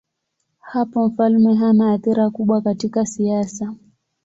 Hapo mfalme hana athira kubwa katika siasa.